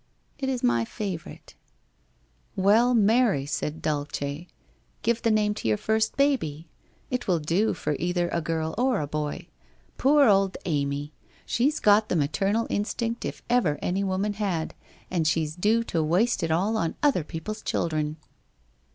' It is my favourite/ ' Well, marry/ said Dulce, f give the name to your first baby. It will do for either a girl or a boy. Poor old Amy ! She's got the maternal instinct if ever any woman 334 WHITE ROSE OF WEARY LEAF 335 had, and she's due to waste it all on other people's children